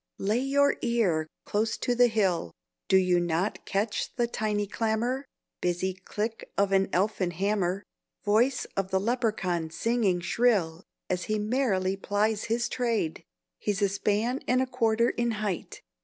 Lay your ear close to the hill. Do you not catch the tiny clamour, Busy click of an elfin hammer, Voice of the Lepracaun singing shrill As he merrily plies his trade? He's a span And a quarter in height.